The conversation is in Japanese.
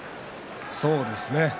そうですね。